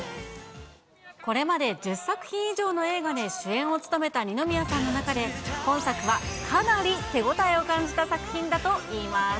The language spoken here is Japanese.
これまで１０作品以上の映画で主演を務めた二宮さんの中で、本作はかなり手応えを感じた作品